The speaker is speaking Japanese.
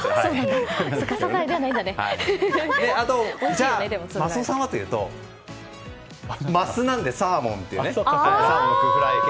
あと、マスオさんはというとマスなんでサーモンというね。